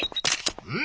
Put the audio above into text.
うん？